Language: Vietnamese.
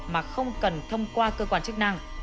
mà không cần thông qua cơ quan chức năng